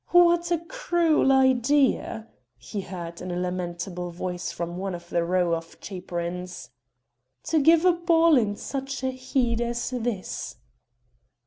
"What a cruel idea!" he heard in a lamentable voice from one of a row of chaperons, "to give a ball in such heat as this!"